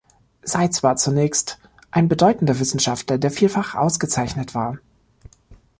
Seitz war zunächst ein bedeutender Wissenschaftler, der vielfach ausgezeichnet war.